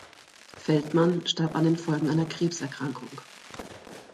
Feldman starb an den Folgen einer Krebserkrankung.